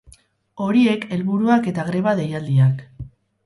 Horiek helburuak eta greba deialdiak.